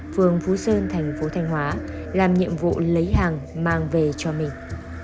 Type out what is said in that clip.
phường phú sơn thành phố thanh hóa làm nhiệm vụ lấy hàng mang về cho mình